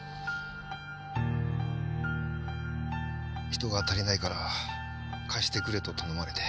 人が足りないから貸してくれと頼まれて。